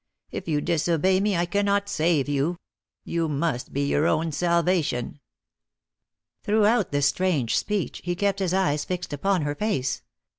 If you disobey me I cannot save you; you must be your own salvation." Throughout this strange speech he kept his eyes fixed upon her face.